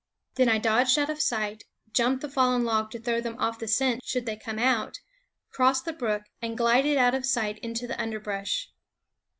Then I dodged out of sight, jumped the fallen log to throw them off the scent should they come out, crossed the brook, and glided out of sight into the underbrush.